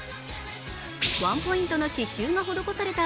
ワンポイントの刺しゅうが施された